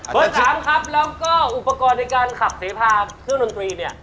คำถามครับแล้วก็อุปกรณ์ในการขับเสพาเครื่องดนตรีเนี่ย